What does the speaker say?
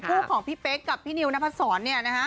กู่ของพี่เป๊กกับพี่นิวนพันธุ์สอน